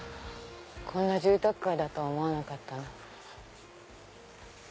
こんな住宅街だと思わなかったな。